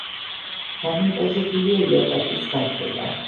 დამონტაჟებულია იატაკის გათბობა.